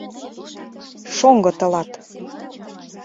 — Шоҥго тылат...